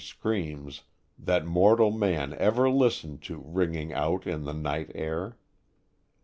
screams that mortal man ever listened to ringing out in the night air.